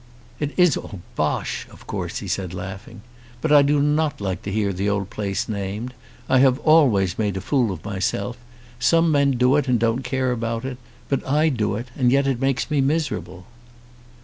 "It is all bosh, of course," he said laughing; "but I do not like to hear the old place named. I have always made a fool of myself. Some men do it and don't care about it. But I do it, and yet it makes me miserable."